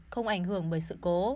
không ảnh hưởng bởi sự cố